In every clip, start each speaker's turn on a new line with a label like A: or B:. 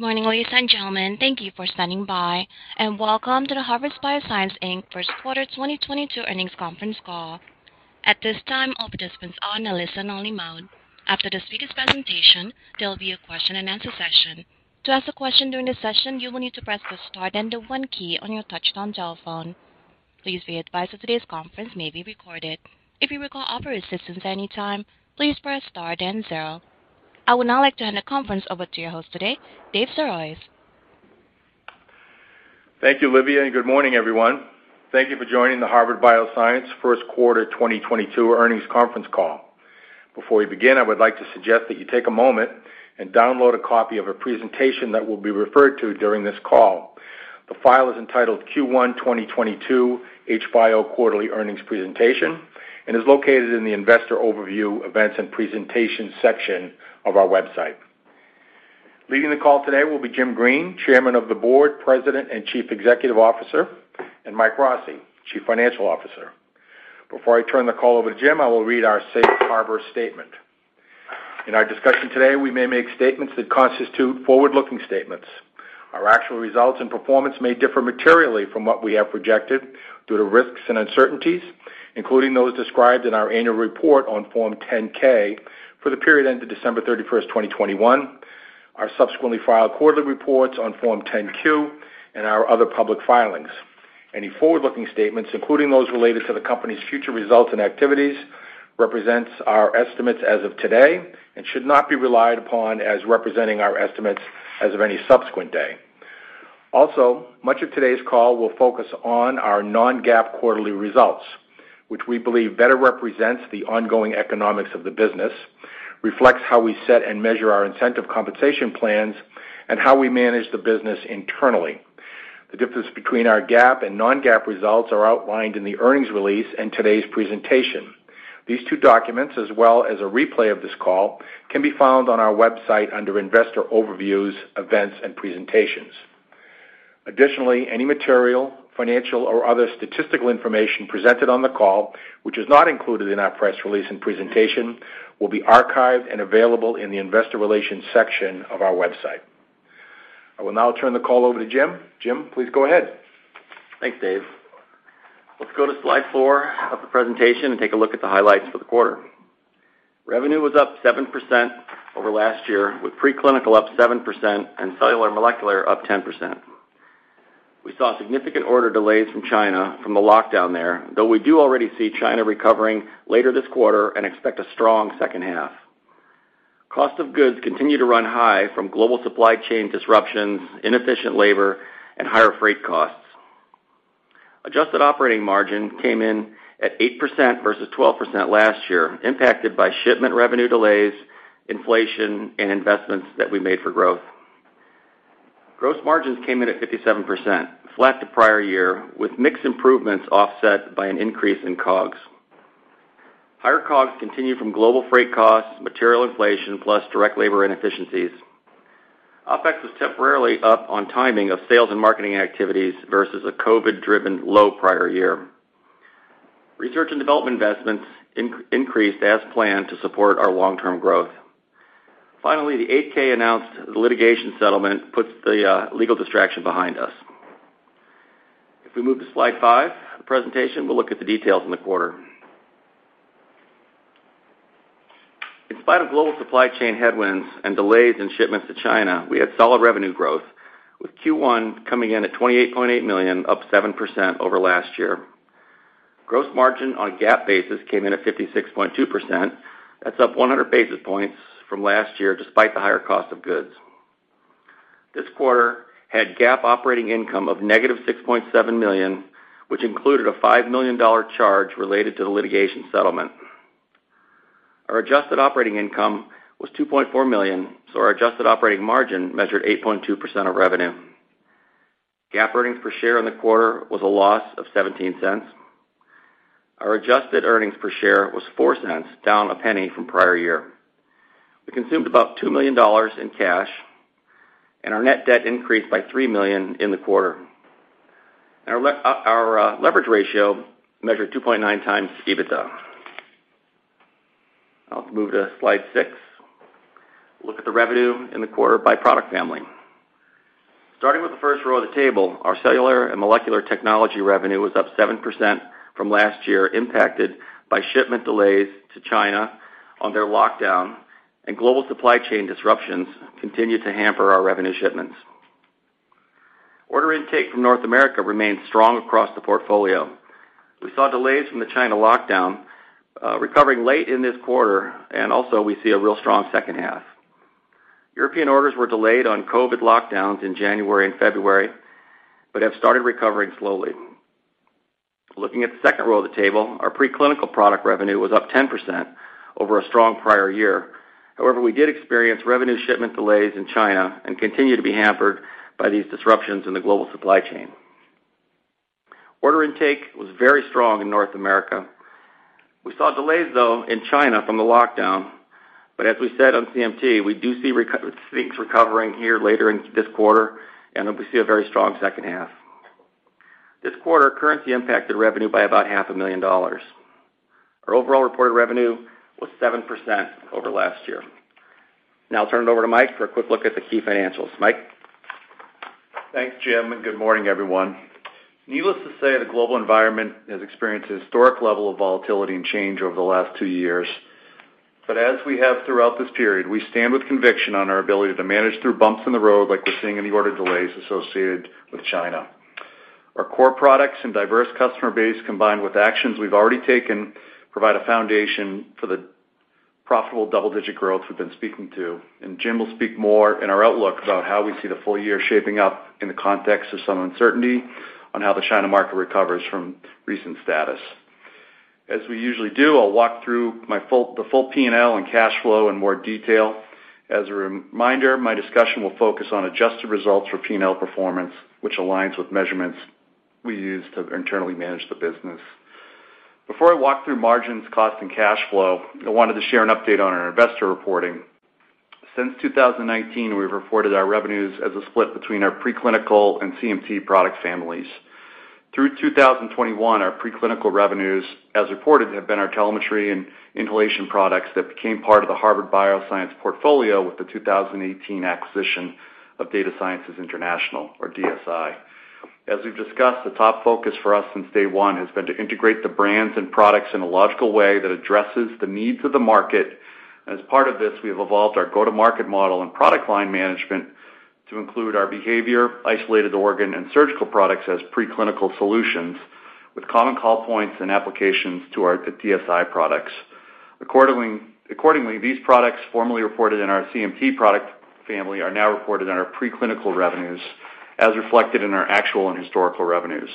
A: Good morning, ladies and gentlemen. Thank you for standing by, and welcome to the Harvard Bioscience, Inc. first quarter 2022 earnings conference call. At this time, all participants are in a listen-only mode. After the speaker's presentation, there'll be a question-and-answer session. To ask a question during the session, you will need to press the star then the one key on your touch-tone telephone. Please be advised that today's conference may be recorded. If you require operator assistance at any time, please press star then zero. I would now like to hand the conference over to your host today, David Sirois.
B: Thank you, Olivia, and good morning, everyone. Thank you for joining the Harvard Bioscience first quarter 2022 earnings conference call. Before we begin, I would like to suggest that you take a moment and download a copy of a presentation that will be referred to during this call. The file is entitled Q1 2022 HBIO quarterly earnings presentation and is located in the investor overview events and presentations section of our website. Leading the call today will be James Green, Chairman of the Board, President, and Chief Executive Officer, and Michael Rossi, Chief Financial Officer. Before I turn the call over to James, I will read our safe harbor statement. In our discussion today, we may make statements that constitute forward-looking statements. Our actual results and performance may differ materially from what we have projected due to risks and uncertainties, including those described in our annual report on Form 10-K for the period ended December 31, 2021, our subsequently filed quarterly reports on Form 10-Q, and our other public filings. Any forward-looking statements, including those related to the company's future results and activities, represents our estimates as of today and should not be relied upon as representing our estimates as of any subsequent day. Also, much of today's call will focus on our non-GAAP quarterly results, which we believe better represents the ongoing economics of the business, reflects how we set and measure our incentive compensation plans, and how we manage the business internally. The difference between our GAAP and non-GAAP results are outlined in the earnings release and today's presentation. These two documents, as well as a replay of this call, can be found on our website under Investor Overviews, Events, and Presentations. Additionally, any material, financial or other statistical information presented on the call, which is not included in our press release and presentation, will be archived and available in the Investor Relations section of our website. I will now turn the call over to Jim. Jim, please go ahead.
C: Thanks, Dave. Let's go to slide four of the presentation and take a look at the highlights for the quarter. Revenue was up 7% over last year, with preclinical up 7% and cellular and molecular up 10%. We saw significant order delays from China from the lockdown there, though we do already see China recovering later this quarter and expect a strong second half. Cost of goods continue to run high from global supply chain disruptions, inefficient labor, and higher freight costs. Adjusted operating margin came in at 8% versus 12% last year, impacted by shipment revenue delays, inflation, and investments that we made for growth. Gross margins came in at 57%, flat to prior year, with mix improvements offset by an increase in COGS. Higher COGS continued from global freight costs, material inflation, plus direct labor inefficiencies. OPEX was temporarily up on timing of sales and marketing activities versus a COVID-driven low prior year. Research and development investments increased as planned to support our long-term growth. Finally, the Form 8-K announced the litigation settlement puts the legal distraction behind us. If we move to slide 5 of the presentation, we'll look at the details in the quarter. In spite of global supply chain headwinds and delays in shipments to China, we had solid revenue growth, with Q1 coming in at $28.8 million, up 7% over last year. Gross margin on a GAAP basis came in at 56.2%. That's up 100 basis points from last year, despite the higher cost of goods. This quarter had GAAP operating income of -$6.7 million, which included a $5 million charge related to the litigation settlement. Our adjusted operating income was $2.4 million, so our adjusted operating margin measured 8.2% of revenue. GAAP earnings per share in the quarter was a loss of $0.17. Our adjusted earnings per share was $0.04, down $0.01 from prior year. We consumed about $2 million in cash, and our net debt increased by $3 million in the quarter. Our leverage ratio measured 2.9x EBITDA. Now let's move to slide six. Look at the revenue in the quarter by product family. Starting with the first row of the table, our cellular and molecular technology revenue was up 7% from last year, impacted by shipment delays to China on their lockdown, and global supply chain disruptions continued to hamper our revenue shipments. Order intake from North America remained strong across the portfolio. We saw delays from the China lockdown, recovering late in this quarter, and also we see a real strong second half. European orders were delayed on COVID lockdowns in January and February, but have started recovering slowly. Looking at the second row of the table, our preclinical product revenue was up 10% over a strong prior year. However, we did experience revenue shipment delays in China and continue to be hampered by these disruptions in the global supply chain. Order intake was very strong in North America. We saw delays, though, in China from the lockdown, but as we said on CMT, we do see things recovering here later in this quarter, and then we see a very strong second half. This quarter, currency impacted revenue by about half a million dollars. Our overall reported revenue was 7% over last year. Now I'll turn it over to Mike for a quick look at the key financials. Mike?
D: Thanks, Jim, and good morning, everyone. Needless to say, the global environment has experienced a historic level of volatility and change over the last two years. As we have throughout this period, we stand with conviction on our ability to manage through bumps in the road like we're seeing any order delays associated with China. Our core products and diverse customer base, combined with actions we've already taken, provide a foundation for the profitable double-digit growth we've been speaking to, and Jim will speak more in our outlook about how we see the full year shaping up in the context of some uncertainty on how the China market recovers from recent status. As we usually do, I'll walk through the full P&L and cash flow in more detail. As a reminder, my discussion will focus on adjusted results for P&L performance, which aligns with measurements we use to internally manage the business. Before I walk through margins, costs, and cash flow, I wanted to share an update on our investor reporting. Since 2019, we've reported our revenues as a split between our preclinical and CMT product families. Through 2021, our preclinical revenues, as reported, have been our telemetry and inhalation products that became part of the Harvard Bioscience portfolio with the 2018 acquisition of Data Sciences International, or DSI. As we've discussed, the top focus for us since day one has been to integrate the brands and products in a logical way that addresses the needs of the market. As part of this, we have evolved our go-to-market model and product line management to include our behavior, isolated organ, and surgical products as preclinical solutions with common call points and applications to our DSI products. Accordingly, these products formerly reported in our CMT product family are now reported in our preclinical revenues, as reflected in our actual and historical revenues.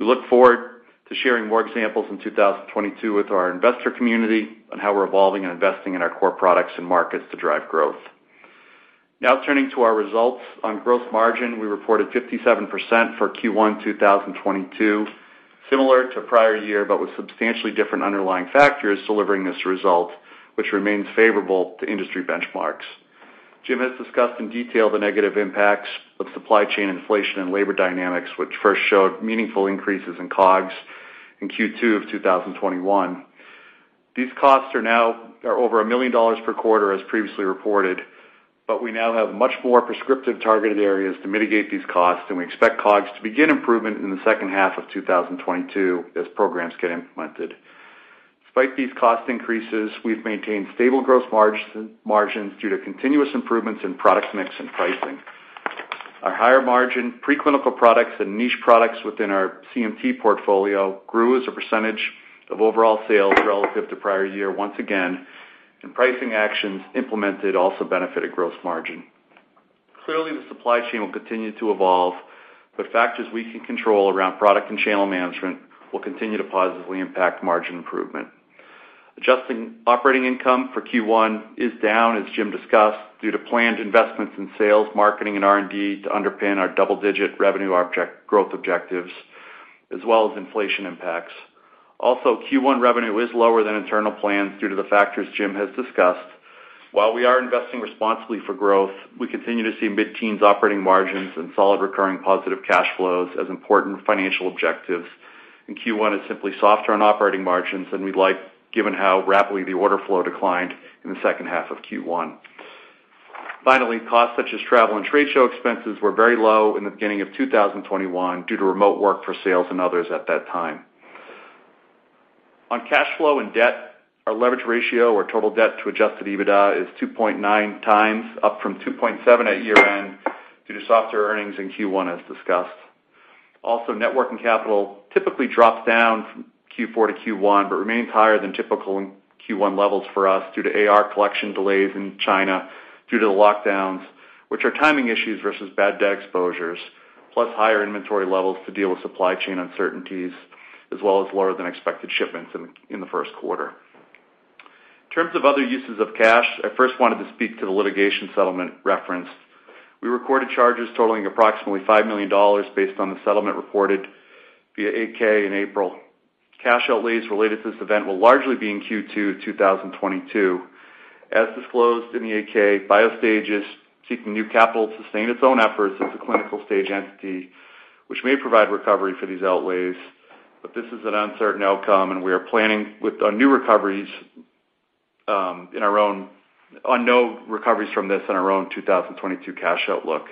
D: We look forward to sharing more examples in 2022 with our investor community on how we're evolving and investing in our core products and markets to drive growth. Now turning to our results. On growth margin, we reported 57% for Q1 2022, similar to prior year, but with substantially different underlying factors delivering this result, which remains favorable to industry benchmarks. Jim has discussed in detail the negative impacts of supply chain inflation and labor dynamics, which first showed meaningful increases in COGS in Q2 of 2021. These costs are now over $1 million per quarter as previously reported, but we now have much more prescriptive targeted areas to mitigate these costs, and we expect COGS to begin improvement in the second half of 2022 as programs get implemented. Despite these cost increases, we've maintained stable gross margins due to continuous improvements in product mix and pricing. Our higher margin preclinical products and niche products within our CMT portfolio grew as a percentage of overall sales relative to prior year once again, and pricing actions implemented also benefited gross margin. Clearly, the supply chain will continue to evolve, but factors we can control around product and channel management will continue to positively impact margin improvement. Adjusting operating income for Q1 is down, as Jim discussed, due to planned investments in sales, marketing, and R&D to underpin our double-digit revenue growth objectives, as well as inflation impacts. Also, Q1 revenue is lower than internal plans due to the factors Jim has discussed. While we are investing responsibly for growth, we continue to see mid-teens operating margins and solid recurring positive cash flows as important financial objectives, and Q1 is simply softer on operating margins than we'd like, given how rapidly the order flow declined in the second half of Q1. Finally, costs such as travel and trade show expenses were very low in the beginning of 2021 due to remote work for sales and others at that time. On cash flow and debt, our leverage ratio or total debt to adjusted EBITDA is 2.9 times up from 2.7 at year-end due to softer earnings in Q1, as discussed. Also, net working capital typically drops down from Q4 to Q1, but remains higher than typical in Q1 levels for us due to AR collection delays in China due to the lockdowns, which are timing issues versus bad debt exposures, plus higher inventory levels to deal with supply chain uncertainties, as well as lower than expected shipments in the first quarter. In terms of other uses of cash, I first wanted to speak to the litigation settlement reference. We recorded charges totaling approximately $5 million based on the settlement reported via 8-K in April. Cash outlays related to this event will largely be in Q2 2022. As disclosed in the 8-K, Biostage is seeking new capital to sustain its own efforts as a clinical-stage entity, which may provide recovery for these outlays. This is an uncertain outcome, and we are planning with no recoveries from this in our own 2022 cash outlook.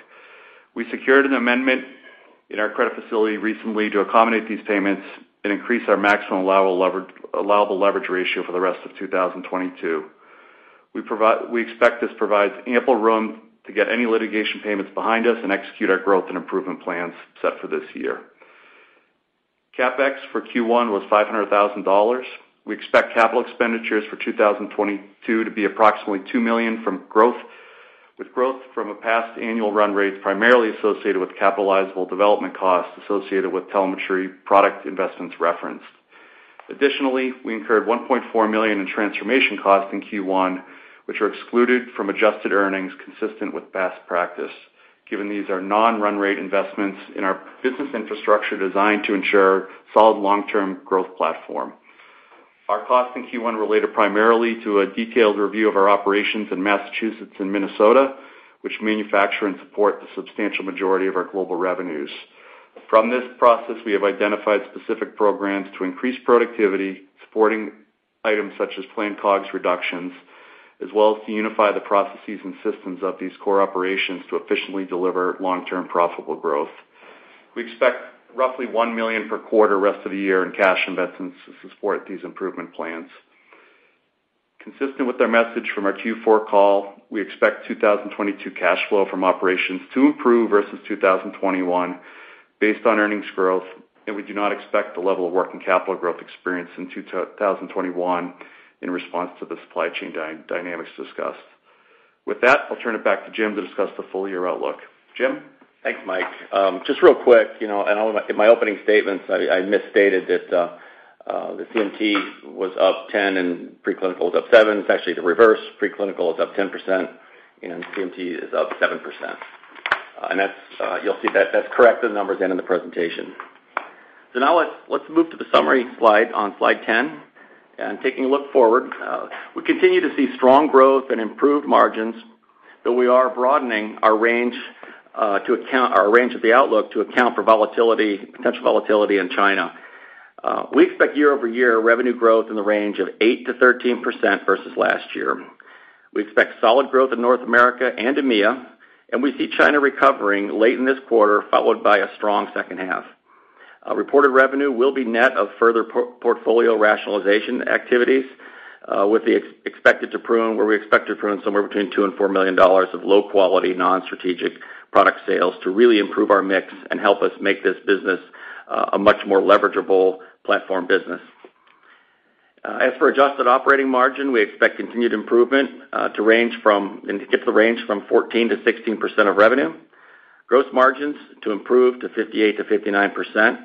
D: We secured an amendment in our credit facility recently to accommodate these payments and increase our maximum allowable leverage ratio for the rest of 2022. We expect this provides ample room to get any litigation payments behind us and execute our growth and improvement plans set for this year. CapEx for Q1 was $500,000. We expect capital expenditures for 2022 to be approximately $2 million from growth, with growth from a past annual run rates primarily associated with capitalizable development costs associated with telemetry product investments referenced. Additionally, we incurred $1.4 million in transformation costs in Q1, which are excluded from adjusted earnings consistent with best practice, given these are non-run rate investments in our business infrastructure designed to ensure solid long-term growth platform. Our costs in Q1 related primarily to a detailed review of our operations in Massachusetts and Minnesota, which manufacture and support the substantial majority of our global revenues. From this process, we have identified specific programs to increase productivity, supporting items such as planned COGS reductions, as well as to unify the processes and systems of these core operations to efficiently deliver long-term profitable growth. We expect roughly $1 million per quarter rest of the year in cash investments to support these improvement plans. Consistent with our message from our Q4 call, we expect 2022 cash flow from operations to improve versus 2021 based on earnings growth, and we do not expect the level of working capital growth experienced in 2021 in response to the supply chain dynamics discussed. With that, I'll turn it back to Jim to discuss the full year outlook. Jim?
C: Thanks, Mike. Just real quick, you know, in my opening statements, I misstated that the CMT was up 10 and preclinical was up seven. It's actually the reverse. Preclinical is up 10%, and CMT is up 7%. And that's, you'll see that that's correct, the numbers end in the presentation. Now let's move to the summary slide on slide 10. Taking a look forward, we continue to see strong growth and improved margins, but we are broadening our range of the outlook to account for volatility, potential volatility in China. We expect year-over-year revenue growth in the range of 8%-13% versus last year. We expect solid growth in North America and EMEA, and we see China recovering late in this quarter, followed by a strong second half. Reported revenue will be net of further portfolio rationalization activities, where we expect to prune somewhere between $2 million and $4 million of low quality, non-strategic product sales to really improve our mix and help us make this business a much more leverageable platform business. As for adjusted operating margin, we expect continued improvement to range from 14%-16% of revenue. Gross margins to improve to 58%-59%,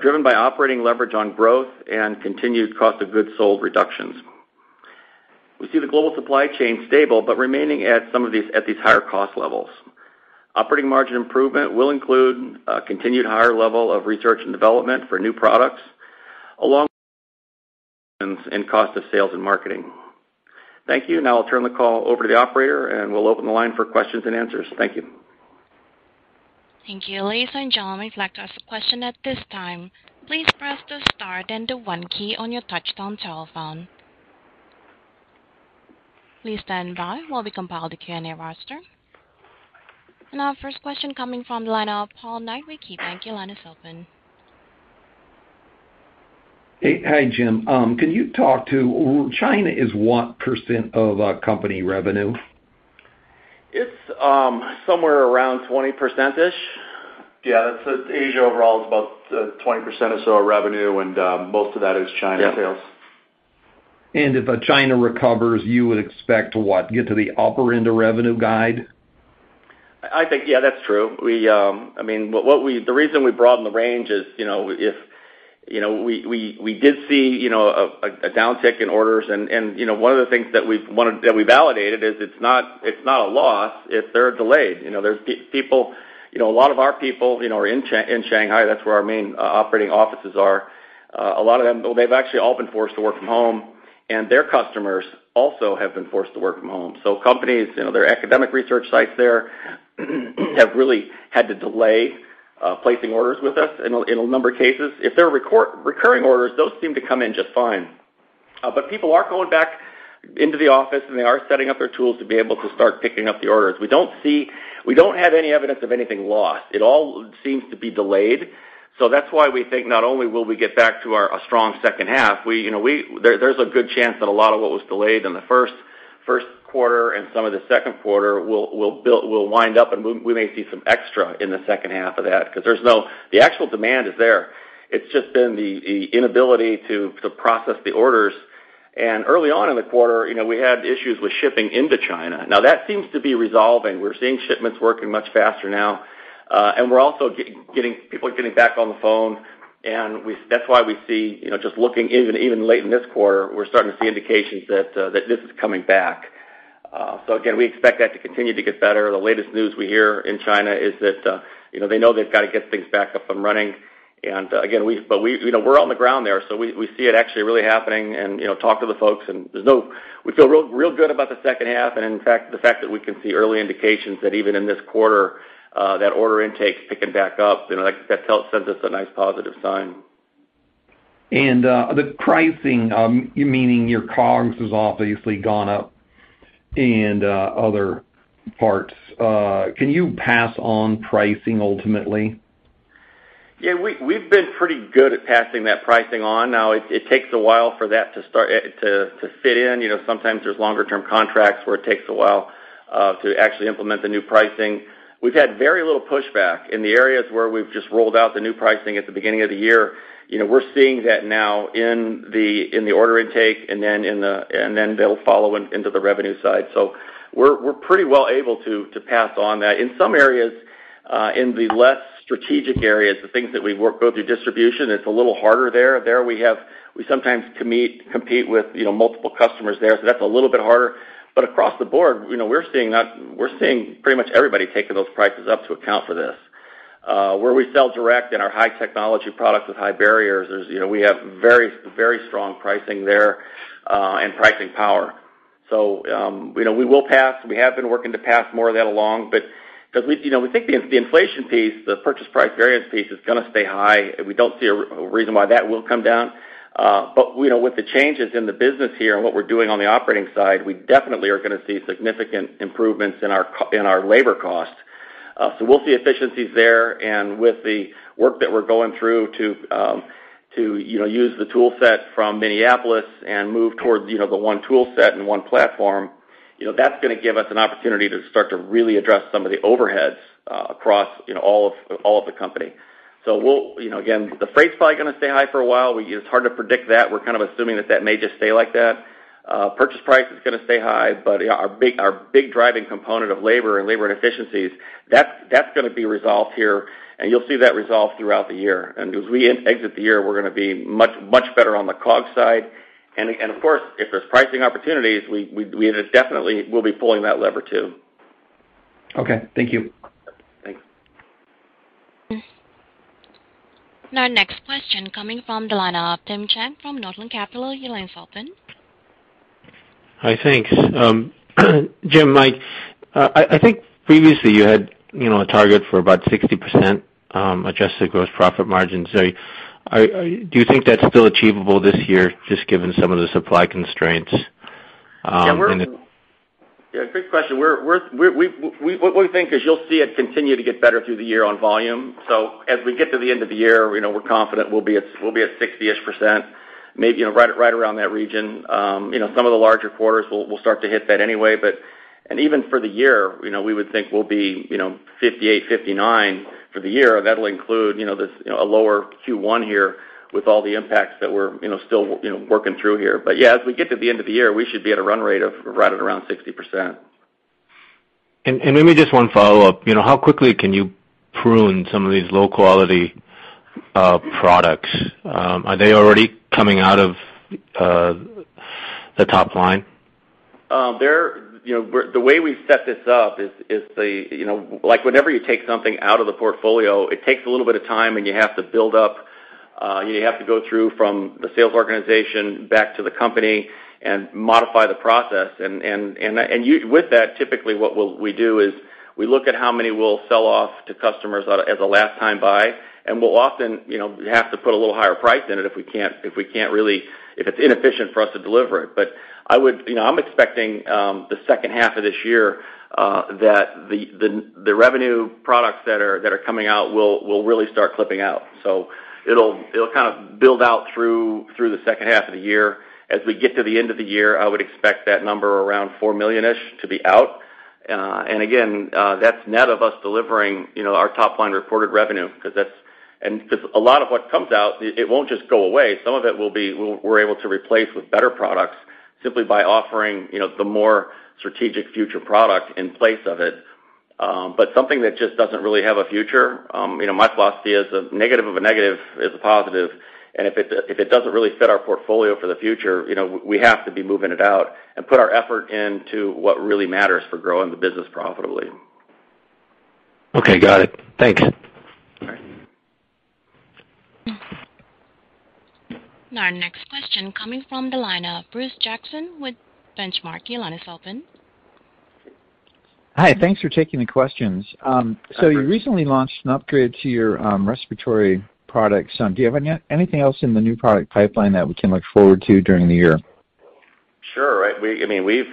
C: driven by operating leverage on growth and continued cost of goods sold reductions. We see the global supply chain stable, but remaining at some of these higher cost levels. Operating margin improvement will include continued higher level of research and development for new products, along with improvements in cost of sales and marketing. Thank you. Now I'll turn the call over to the operator, and we'll open the line for questions and answers. Thank you.
A: Thank you. Ladies and gentlemen, if you'd like to ask a question at this time, please press the star then the one key on your touchtone telephone. Please stand by while we compile the Q&A roster. Our first question coming from the line of Paul Knight with KeyBanc. Your line is open.
E: Hey. Hi, Jim. Can you tell us China is what % of company revenue?
C: It's somewhere around 20%ish.
D: Yeah, that's it. Asia overall is about 20% or so of revenue, and most of that is China sales.
E: Yeah. If China recovers, you would expect to what? Get to the upper end of revenue guide?
C: I think, yeah, that's true. We, I mean, what we, the reason we broaden the range is, you know, if, you know, we did see, you know, a downtick in orders and, you know, one of the things that we've wanted, that we validated is it's not a loss if they're delayed. You know, there's people, you know, a lot of our people, you know, are in Shanghai, that's where our main operating offices are. A lot of them, well, they've actually all been forced to work from home, and their customers also have been forced to work from home. So companies, you know, their academic research sites there have really had to delay placing orders with us in a number of cases. If they're recurring orders, those seem to come in just fine. People are going back into the office, and they are setting up their tools to be able to start picking up the orders. We don't have any evidence of anything lost. It all seems to be delayed. That's why we think not only will we get back to a strong second half, you know, there's a good chance that a lot of what was delayed in the first quarter and some of the second quarter will build up, and we may see some extra in the second half because the actual demand is there. It's just been the inability to process the orders. Early on in the quarter, you know, we had issues with shipping into China. Now, that seems to be resolving. We're seeing shipments working much faster now, and we're also getting, people are getting back on the phone, and that's why we see, you know, just looking even late in this quarter, we're starting to see indications that this is coming back. We expect that to continue to get better. The latest news we hear in China is that, you know, they know they've got to get things back up and running. Again, but we, you know, we're on the ground there, so we see it actually really happening and, you know, talk to the folks and there's no We feel real good about the second half, and in fact, the fact that we can see early indications that even in this quarter that order intake's picking back up, you know, that sends us a nice positive sign.
E: The pricing, meaning your COGS has obviously gone up and other parts, can you pass on pricing ultimately?
C: Yeah, we've been pretty good at passing that pricing on. Now it takes a while for that to start to fit in. You know, sometimes there's longer term contracts where it takes a while to actually implement the new pricing. We've had very little pushback. In the areas where we've just rolled out the new pricing at the beginning of the year, you know, we're seeing that now in the order intake and then they'll follow into the revenue side. We're pretty well able to pass on that. In some areas, in the less strategic areas, the things that we work both through distribution, it's a little harder there. There we sometimes compete with, you know, multiple customers there, so that's a little bit harder. Across the board, you know, we're seeing pretty much everybody taking those prices up to account for this. Where we sell direct in our high technology products with high barriers is, you know, we have very strong pricing there, and pricing power. We will pass. We have been working to pass more of that along. At least, you know, we think the inflation piece, the purchase price variance piece is gonna stay high, and we don't see a reason why that will come down. With the changes in the business here and what we're doing on the operating side, we definitely are gonna see significant improvements in our labor costs. We'll see efficiencies there. With the work that we're going through to you know use the tool set from Minneapolis and move towards you know the one tool set and one platform you know that's gonna give us an opportunity to start to really address some of the overheads across you know all of the company. We'll you know again the freight's probably gonna stay high for a while. It's hard to predict that. We're kind of assuming that that may just stay like that. Purchase price is gonna stay high. But you know our big driving component of labor and efficiencies that's gonna be resolved here and you'll see that resolve throughout the year. As we exit the year we're gonna be much better on the COGS side. Of course, if there's pricing opportunities, we definitely will be pulling that lever too.
E: Okay. Thank you.
C: Thanks.
A: Our next question coming from the line of Tim Chiang from Northland Capital Markets. Your line's open.
F: Hi. Thanks. Jim, Mike, I think previously you had, you know, a target for about 60% adjusted gross profit margins. Do you think that's still achievable this year, just given some of the supply constraints, and the-
C: Yeah. Good question. What we think is you'll see it continue to get better through the year on volume. As we get to the end of the year, you know, we're confident we'll be at 60-ish%, maybe, you know, right around that region. You know, some of the larger quarters will start to hit that anyway. Even for the year, you know, we would think we'll be, you know, 58, 59 for the year. That'll include, you know, this, you know, a lower Q1 here with all the impacts that we're, you know, still, you know, working through here. Yeah, as we get to the end of the year, we should be at a run rate of right at around 60%.
F: Maybe just one follow-up. You know, how quickly can you prune some of these low-quality products? Are they already coming out of the top line?
C: The way we've set this up is. You know, like, whenever you take something out of the portfolio, it takes a little bit of time, and you have to go through from the sales organization back to the company and modify the process. With that, typically, what we do is we look at how many we'll sell off to customers as a last-time buy, and we'll often, you know, have to put a little higher price in it if we can't really, if it's inefficient for us to deliver it. I would. You know, I'm expecting the second half of this year that the revenue products that are coming out will really start clipping out. It'll kind of build out through the second half of the year. As we get to the end of the year, I would expect that number around $4 million to be out. And again, that's net of us delivering, you know, our top line reported revenue because that's because a lot of what comes out, it won't just go away. Some of it will be we're able to replace with better products simply by offering, you know, the more strategic future product in place of it. Something that just doesn't really have a future, you know, my philosophy is a negative of a negative is a positive. If it doesn't really fit our portfolio for the future, you know, we have to be moving it out and put our effort into what really matters for growing the business profitably.
F: Okay. Got it. Thanks.
C: All right.
A: Our next question coming from the line of Bruce Jackson with Benchmark. Your line is open.
G: Hi. Thanks for taking the questions.
C: Hi, Bruce.
G: You recently launched an upgrade to your respiratory products. Do you have anything else in the new product pipeline that we can look forward to during the year?
C: Sure. I mean,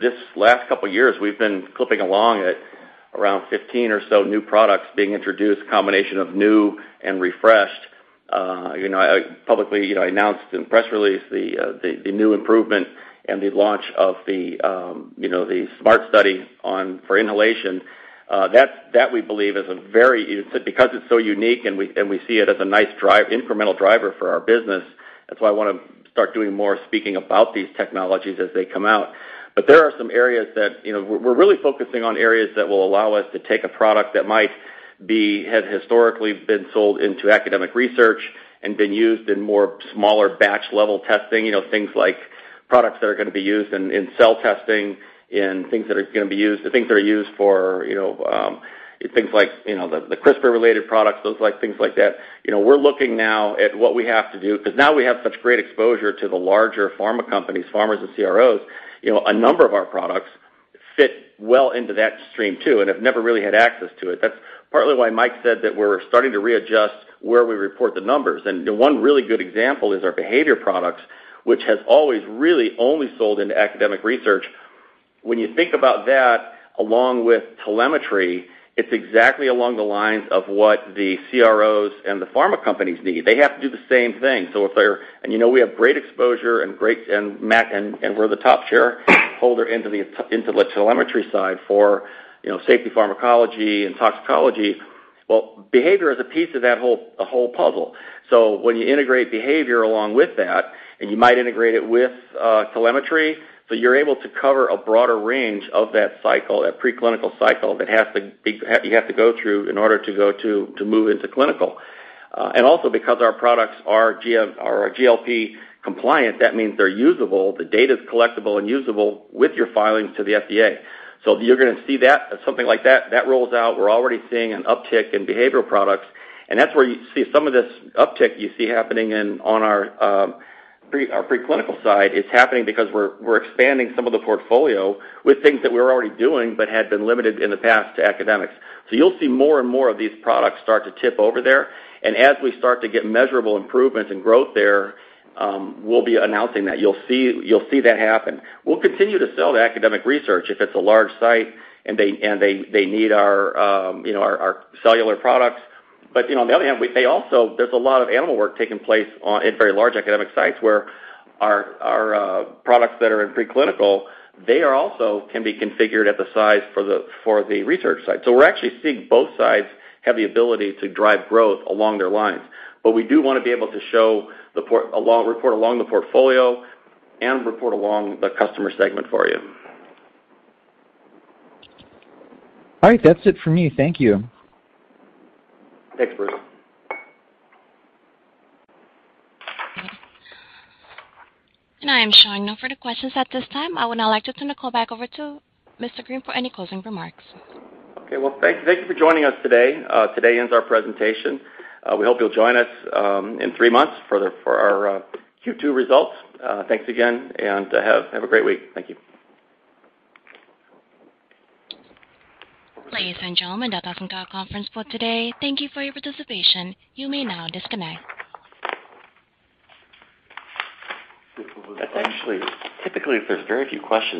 C: this last couple years, we've been clipping along at around 15 or so new products being introduced, combination of new and refreshed. You know, I publicly, you know, announced in press release the new improvement and the launch of the SmartStudy for inhalation. It's because it's so unique and we see it as a nice incremental driver for our business, that's why I wanna start doing more speaking about these technologies as they come out. There are some areas that. You know, we're really focusing on areas that will allow us to take a product that had historically been sold into academic research and been used in more smaller batch level testing, you know, things like products that are gonna be used in cell testing and things that are gonna be used, the things that are used for, you know, things like the CRISPR related products, those like things like that. You know, we're looking now at what we have to do, 'cause now we have such great exposure to the larger pharma companies, pharmas and CROs. You know, a number of our products fit well into that stream too and have never really had access to it. That's partly why Mike said that we're starting to readjust where we report the numbers. The one really good example is our behavior products, which has always really only sold into academic research. When you think about that, along with telemetry, it's exactly along the lines of what the CROs and the pharma companies need. They have to do the same thing. You know, we have great exposure and great, and we're the top shareholder into the telemetry side for, you know, safety pharmacology and toxicology. Well, behavior is a piece of that whole puzzle. When you integrate behavior along with that, and you might integrate it with telemetry, you're able to cover a broader range of that cycle, that preclinical cycle you have to go through in order to move into clinical. Also because our products are GLP compliant, that means they're usable. The data is collectible and usable with your filings to the FDA. You're gonna see that, something like that. That rolls out. We're already seeing an uptick in behavioral products, and that's where you see some of this uptick you see happening in our preclinical side. It's happening because we're expanding some of the portfolio with things that we're already doing but had been limited in the past to academics. You'll see more and more of these products start to tip over there. As we start to get measurable improvements and growth there, we'll be announcing that. You'll see that happen. We'll continue to sell to academic research if it's a large site and they need our, you know, our cellular products. You know, on the other hand, there's a lot of animal work taking place at very large academic sites where our products that are in preclinical they are also can be configured at the size for the research side. We're actually seeing both sides have the ability to drive growth along their lines. We do wanna be able to show report along the portfolio and report along the customer segment for you.
G: All right. That's it for me. Thank you.
C: Thanks, Bruce.
A: I am showing no further questions at this time. I would now like to turn the call back over to James Green for any closing remarks.
C: Okay. Well, thank you for joining us today. Today ends our presentation. We hope you'll join us in three months for our Q2 results. Thanks again, and have a great week. Thank you.
A: Ladies and gentlemen, that does end our conference for today. Thank you for your participation. You may now disconnect.
C: That's actually. Typically, if there's very few questions.